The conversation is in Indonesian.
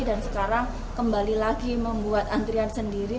dan sekarang kembali lagi membuat antrean sendiri